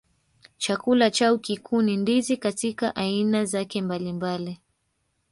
Chakula chao kikuu ni ndizi katika aina zake mbalimbali